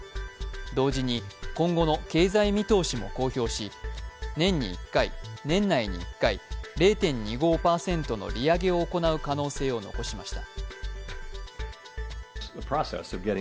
同時に今後の経済見通しも公表し、年に１回、年内に１回、０．２５％の利上げを行う可能性を残しました。